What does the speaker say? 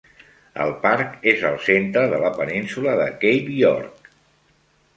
El parc és al centre de la península de Cape York.